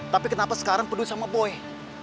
tapi kenapa sekarang peduli sama boy